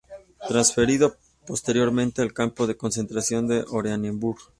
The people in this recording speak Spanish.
Transferido posteriormente al campo de concentración de Oranienburg.